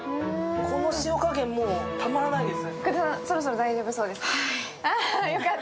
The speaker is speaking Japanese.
この塩加減、もうたまらないです。